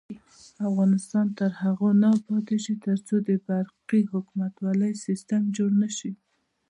افغانستان تر هغو نه ابادیږي، ترڅو د برقی حکومتولي سیستم جوړ نشي.